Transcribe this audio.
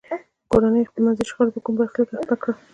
کورنیو خپلمنځي شخړو په کوم برخلیک اخته کړل.